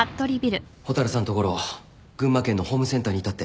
蛍さんと悟郎群馬県のホームセンターにいたって。